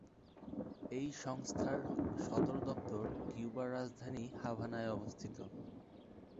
এই সংস্থার সদর দপ্তর কিউবার রাজধানী হাভানায় অবস্থিত।